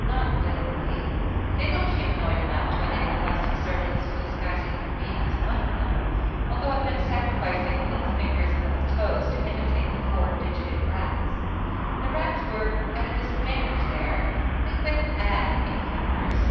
Not literally. They looked humanoid enough to enable plastic surgeons to disguise a human being as one of them, although it meant sacrificing the little fingers and little toes to imitate the four digited Rats. The Rats were at a disadvantage there; they couldn't add any fingers.